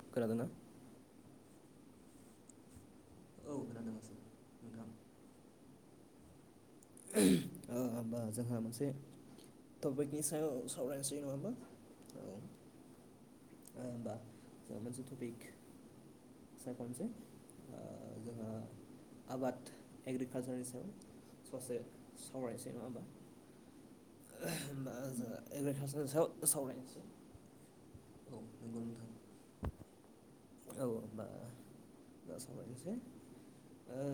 अ' खोनादोना? औ खोनादों आसोल नोंथां। ओ आबबा जोंहा मोनसे थफिखनि सायाव सावरायनोसै नङा होमबा? औ ओमबा जो मोनसे टपिक सायख'नो सै आ जोङो आबाद एग्रिकालसारनि सायाव ससे सावरायनोसै नङा होमबा। ओमबा जोंहा एग्रिकालसारनि सायाव सावरायनोसै। औ नंगौ नोंथां। औ ओमबा दा सावरायनोसै। ओ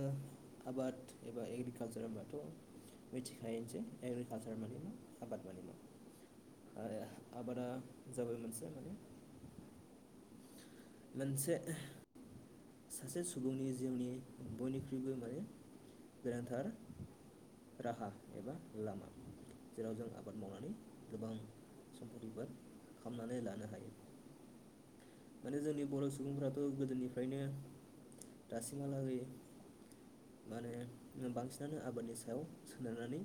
आबाद एबा एग्रिकालसार होमबाथ' मिथिखायो जे एग्रिकालसार माने मा आबाद माने मा। आरो आबादा जाबाय मोनसे माने मोनसे सासे सुबुंनि जिउनि बयनिख्रुयबो माने गोनांथार राहा एबा लामा। जेराव जों आबाद मावनानै गोबां सम्पथिफोर खामनानै लानो हायो। माने जोंनि बर' सुबुंफ्राथ' गोदोनिफ्रायनो दासिम हालागै माने ओ बांसिनानो आबादनि सायाव सोनारनानै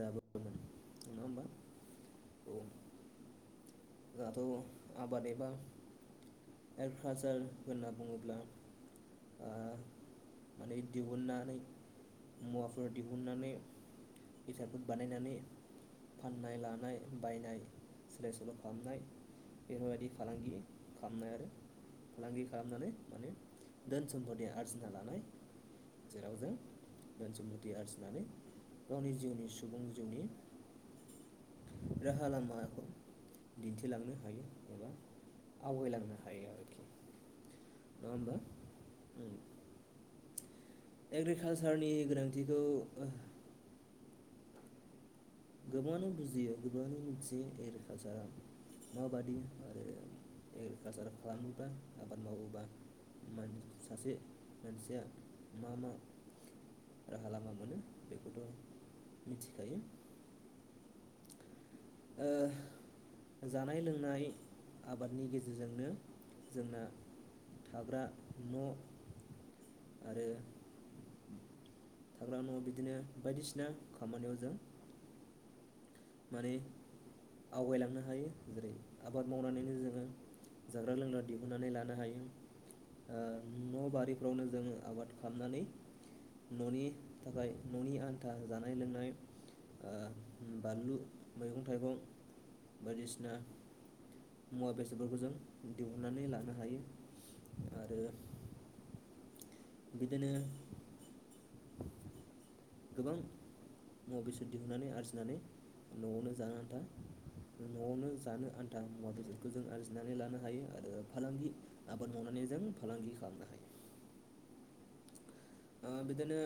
जाबो नङा ओमबा? औ जाहाथ' आबाद एबा एग्रिकालसार होनना बुङोब्ला आ माने दिहुननानै मुवाफोर दिहुननानै इटाफोर बानायनानै फाननाय लानाय बायनाय सोलाय सोल' खामनाय बेफोरबायदि फालांगि खामनाय आरो फालांगि खालामनानै माने धोन सम्पथि आरजिना लानाय जेराव जों धोन सम्पथि आरजिनानै गावनि जिउनि सु सुबुं जिउनि राहा लामाखौ दिन्थिलांनो हायो एबा आवगायलांनो हायो आरोखि। नङाहोमबा औ एग्रिकालसारनि गोनांथिखौ गोबाङानो बुजियो गोबाङानो मोनथियो एग्रिखालसारा माबादि आरो एग्रिकालसार खालामोबा आबाद मावोबा माने सासे मानसिया मा मा राहा लामा मोनो बेखौथ मिथिखायो ओ जानाय लोंनाय आबादनि गेजेरजोंनो जोंना थाग्रा न' आरो थाग्रा न'आव बिदिनो बायदिसिना खामानियाव जों माने आवगायलांनो हायो बोरै आबाद मावनानैनो जोङो जाग्रा लोंग्रा दिहुननानै लानो हायो ओ न बारिफ्रावनो जोङो आबाद खालामनानै न'नि थाखाय न'नि आन्था जानाय लोंनाय ओ बानलु मैगं थाइगं बायदिसिना मुवा बेसादफोरखौ जों दिहुननानै लानो हायो आरो बिदिनो गोबां मुवा बेसाद दिहुननानै आरजिनानै न'आवनो जानो आन्था न'आवनो जानो आन्था मुवा बेसादखौ जों आरजिनानै लानो हायो आरो फालांगि आबाद मावनानै जों फालांगि खालामनो हायो ओ बिदिनो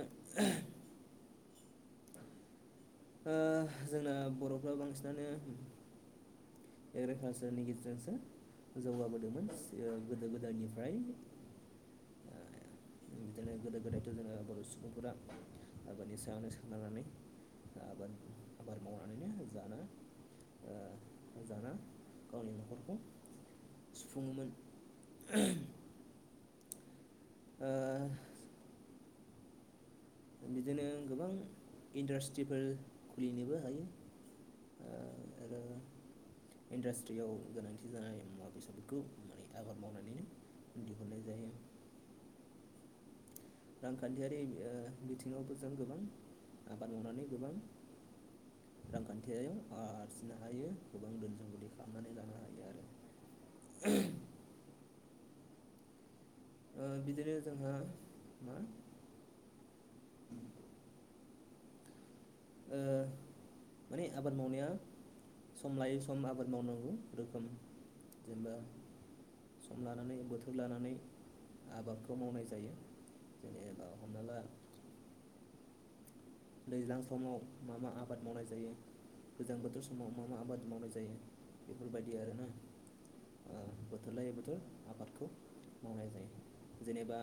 ओ जोंना बर'फ्रा बांसिनानो एग्रिकालसारनि गेजेरजोंसो जौगाबोदोंमोन ओ गोदो गोदायनिफ्राय बिदिनो गोदो गोदायथ' जोङो बर' सुबुंफोरा आबादनि सायावनो सोनारनानै आबाद आबाद मावनानैनो जानो ओ जाना गावनि न'खरखौ सुफुङोमोन ओ बिदिनो गोबां इन्डास्ट्रिफोर खुलिनोबो हायो ओ आरो इन्डास्ट्रियाव गोनांथि जानाय मुवा बेसादफोरखौ माने आबाद मावनानैनो दिहुननाय जायो रांखान्थियारि ओ बिथिङावबो जों गोबां आबाद मावनानै गोबां रांखान्थियारियाव आं आरजिनो हायो गोबां धोन सम्पथि खालामनानै लानो हायो आरो ओ बिदिनो जोंङो मा ओ माने आबाद मावनाया सम लायै सम आबाद मावनांगौ रोखोम जेनेबा सम लानानै बोथोर लानानै आबादखौ मावनाय जायो जेनेबा हमना ला दैज्लां समाव मा मा आबाद मावनाय जायो गोजां बोथोर समाव मा मा आबाद मावनाय जायो बेफोरबायदि आरोना बोथोर लायै बोथोर आबादखौ मावनाय जायो जेनेबा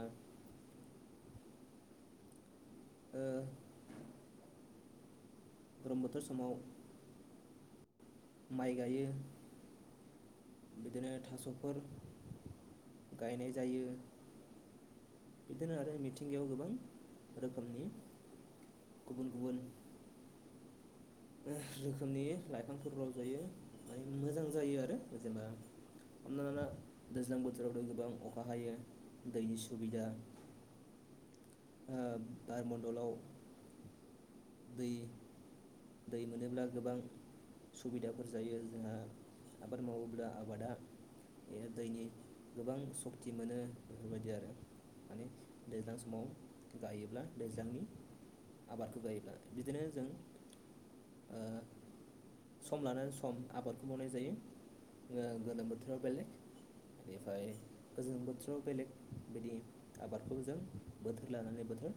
ओ गरम बोथोर समाव माइ गायो बिदिनो थास'फोर गायनाय जायो बिदिनो आरो मिथिंगायाव गोबां रोखोमनि गुबुन गुबुन ओ रोखोमनि लाइफांफोर रजयो मोजां जायो आरो जेनबा हमनाला दैज्लां बोथोरावथ' गोबां अखा हायो दैनि सुबिदा बारमण्डलाव दै दै मोनोब्ला गोबां सुबिदाफोर जायो जोंहा आबाद मावोब्ला आबादा बेहा दैनि गोबां सक्ति मोनो बेफोरबायदि आरो माने दैज्लां समाव गायोब्ला दैज्लांनि आबादखौ गायोब्ला बिदिनो जों ओ सम लानानै सम आबादखौ मावनाय जायो ओ गोलोम बोथोराव बेलेग बेनिफ्राय गोजां बोथोराव बेलेग बिदि आबादखौ जों बोथोर लानानै बोथोर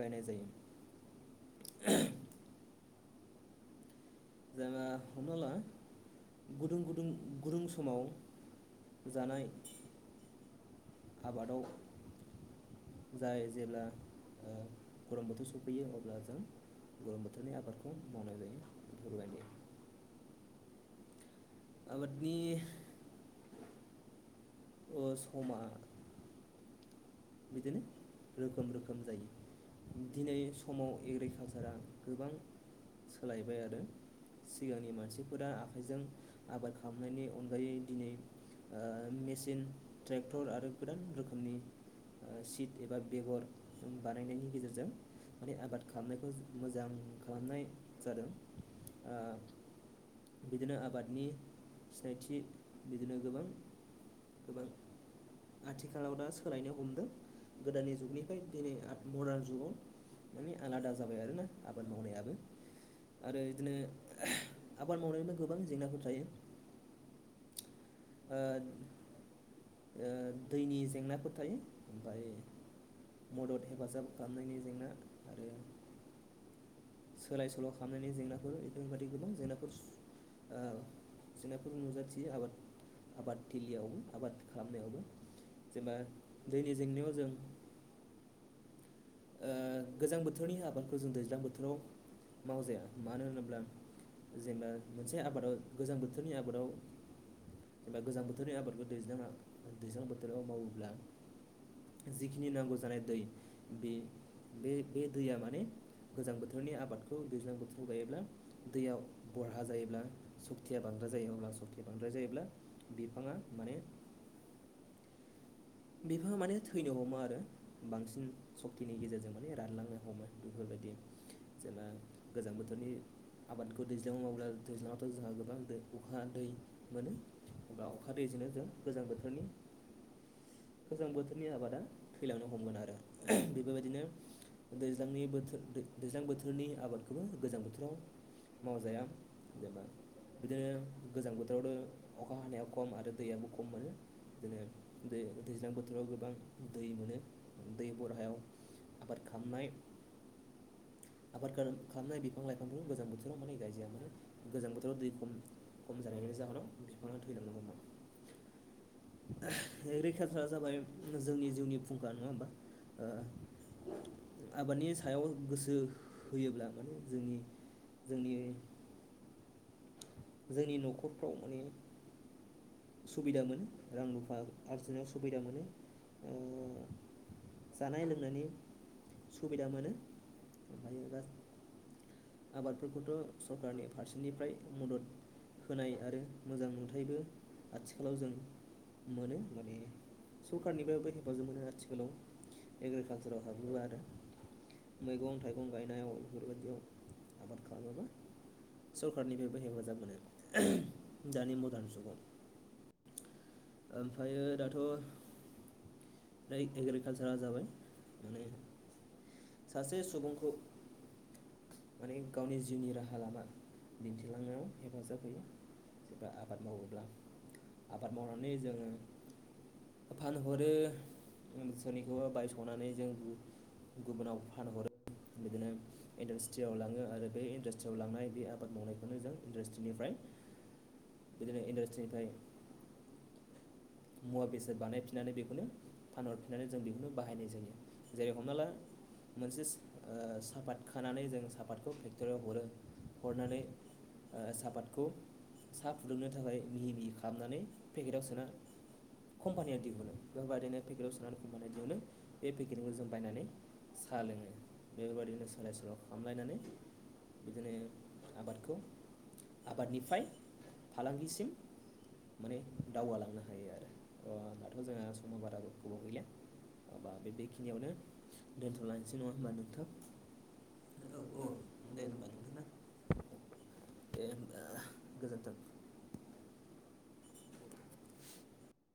गायनाय जायो [unintelligible] जेनबा हमना ला गुदुं गुदुं गुदुं समाव जानाय आबादाव जाय जेब्ला ओ गरम बोथोर सफैयो अब्ला जों गरोम बोथोरनि आबादखौ मावनाय जायो [unintelligible] आबादनि अ समा बिदिनो रोखोम रोखोम जायो दिनै समाव एग्रिकालसारा गोबां सोलायबाय आरो सिगांनि मानसिफोरा आखाइजों आबाद खालामनायनि अनगायै दिनै ओ मेसिन ट्रेक्टर आरो गोदान रोखोमनि सिट एबा बेगर बानायनायनि गेजेरजों माने आबाद खालामनायखौ जों मोजां खालामनाय जादों ओ बिदिनो आबादनि सिनायथि बिदिनो गोबां गोबां आथिखालाव दा सोलायनो हमदों गोदानि जुगनिफ्राय दिनै मदार्न जुगाव माने आलादा जाबाय आरोना आबाद मावनायाबो आरो बिदिनो आबाद मावनायबो गोबां जेंनाफोर थायो ओ ओ दैनि जेंनाफोर थायो ओमफाय मदद हेफाजाब खालामनायनि जेंना आरो सोलाय सोल' खालामनायनि जेंनाफोर एफोर बायदि गोबां जेंनाफोर ओ जेंनाफोरबो नुजाथियो आबाद आबाद थिलियावबो आबाद खालामनायावबो जेनेबा दैनि जेंनायाव जों ओ गोजां बोथोरनि आबादखौ जों दैज्लां बोथोराव मावजाया मानो होनोब्ला जेनबा मोनसे आबादाव गोजां बोथोरनि आबादाव जेनेबा गोजां बोथोरनि आबादखौ दैजां दैज्लां बोथोराव मावोब्ला जिखिनि नांगौ जानाय दै बे बे दैया माने गोजां बोथोरनि आबादखौ दैज्लां बोथोराव गायोब्ला दैयाव बरहा जायोब्ला सक्तिया बांद्राय जायो अब्ला सक्तिया बांद्राय जायोब्ला बिफाङा माने बिफाङा माने थैनो हमो आरो बांसिन सक्तिनि गेजेरजों माने रानलांनो हमो बेफोरबायदि जेनबा गोजां बोथोरनि आबादखौ दैज्लांयाव मावोब्ला दैज्लाङावथ' जोंहा गोबां दै अखा दै मोनो बबा अखा दैजोंनो जों गोजां बोथोरनि गोजां बोथोरनि आबादा थैलांनो हमगोन आरो बेफोरबायदिनो दैज्लांनि बोथोर दैज्लां बोथोरनि आबादखौबो गोजां बोथोराव मावजाया जेबा बिदिनो गोजां बोथोरावथ अखा हानाया खम आरो दैयो खममोन बिदिनो बे दैज्लां बोथोराव गोबां दै मोनो दै बरहायाव आबाद खालामनाय आबाद खालामनाय बिफां लाइफांफोरखौ गोजां माने गायजाया मानो गोजां बोथोराव दै खम खम जानायनि जाहोनाव बिफाङा थैलांनो हमो। रैखाफ्रा जाबाय जोंनि जिउनि फुंखा नङा होम्बा ओ आबादनि सायाव गोसो होयोब्ला माने जोंनि जोंनि जोंनि न'खरफ्राव माने सुबिदा मोनो रां रुफा आरजिनायाव सुबिदा मोनो ओ जानाय लोंनायनि सुबिदा मोनो ओमायो दा आबादफोरखौथ' सरकारनि फारसेनिफ्राय मदद होनाय आरो मोजां नुथायबो आथिखालाव जों मोनो सरखारनिफ्रायबो हेफाजाब मोनो आथिखालाव एग्रिकालसाराव हाबोब्ला आरो मैगं थाइगं गायनायाव बेफोरबायदियाव आबाद खालामोबा सरखारारनिफ्रायबो हेफाजाब मोनो दानि मदार्न जुगाव ओमफ्रायो दाथ' दयो एग्रिकालसारा जाबाय माने सासे सुबुंखौ माने गावनि जिउनि राहा लामा दिन्थिलांनायाव हेफाजाब होयो। जेब्ला आबाद मावोब्ला आबाद मावनानै जोङो फानहरो सोरनिखौबा बायस'नानै जों। गुबुनाव फानहरो बिदिनो। इन्डासट्रियाव लाङो आरो बे इन्डास्ट्रियाव लांनाय बे आबाद मावनायखौनो जों इन्डास्ट्रिनिफ्राय। बिदिनो इन्डास्ट्रिनिफ्राय। मुवा बेसाद बानायफिननानै बेखौनो फानहरफिननानै जों बेखौनो बाहायनाय जायो जेरै हमना ला। मोनसे ओ सापात खानानै जों सापातखौ फेक्ट'रियाव हरो हरनानै। साहापादखौ साहा फुदुंनो थाखाय मिहि मिहि खालामनानै पेकेटाव सोना। कम्पानिया दिहुनो बेबदिनो पेकेटआव सोनानै कम्पानिया दिहुनो बे पेकेटखौ जों बायनानै। साहा लोङो बेफोरबायदिनो सोलाय सोल' खालामलायनानै। बिदिनो आबादखौ। आबादनिफ्राय फालांगिसिम माने दावगालांनो हागोन। अ दाथ' जोंहा समा बारा गो गोबाव गैलिआ। माबा बे बेखिनियावनो दोनथ'लांसै नङा होनबा नोंथां। औ औ दे होम्बा नोंथां ना। दे होन्बा गोजोन्थों।